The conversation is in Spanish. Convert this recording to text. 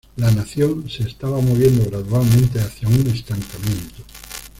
La nación se estaba moviendo gradualmente hacia un estancamiento.